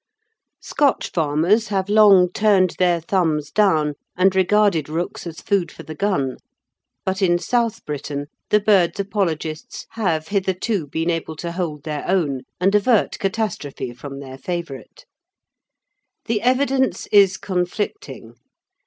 Scotch farmers have long turned their thumbs down and regarded rooks as food for the gun, but in South Britain the bird's apologists have hitherto been able to hold their own and avert catastrophe from their favourite. The evidence is conflicting.